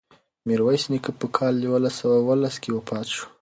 میرویس نیکه په کال یوولس سوه اوولس کې وفات شو.